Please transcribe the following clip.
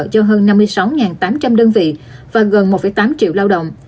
cho hơn năm mươi sáu tám trăm linh đơn vị và gần một tám triệu lao động